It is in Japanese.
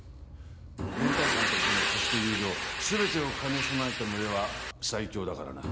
連帯感と頭脳そして友情全てを兼ね備えた群れは最強だからな。